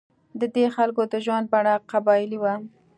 د دې خلکو د ژوند بڼه قبایلي وه.